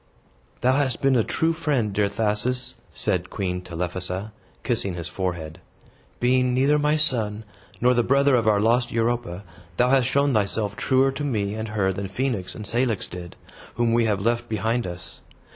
"Thou hast been a true friend, dear Thasus," said Queen Telephassa, kissing his forehead. "Being neither my son, nor the brother of our lost Europa, thou hast shown thyself truer to me and her than Phoenix and Cilix did, whom we have left behind us.